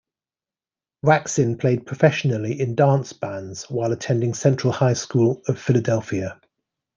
Raksin played professionally in dance bands while attending Central High School of Philadelphia.